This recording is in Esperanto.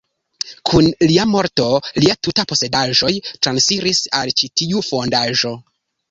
Kun lia morto lia tuta posedaĵoj transiris al ĉi tiu fondaĵo.